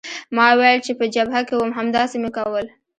ما وویل چې په جبهه کې وم همداسې مې کول.